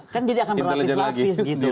kan jadi akan berlapis lapis gitu loh